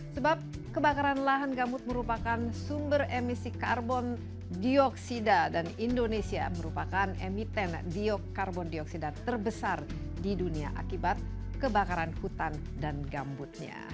sebab kebakaran lahan gambut merupakan sumber emisi karbon dioksida dan indonesia merupakan emiten karbon dioksida terbesar di dunia akibat kebakaran hutan dan gambutnya